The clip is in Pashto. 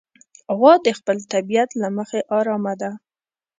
غوا د خپل طبیعت له مخې ارامه ده.